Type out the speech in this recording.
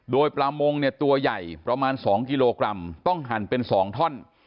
โดยปลามงเนี่ยตัวใหญ่ประมาณ๒กิโลกรัมต้องหั่นเป็น๒ท่อน